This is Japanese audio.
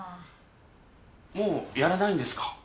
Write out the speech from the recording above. もうやらないんですか？